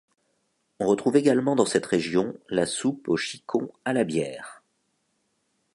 On retrouve également dans cette région la soupe aux chicons à la bière.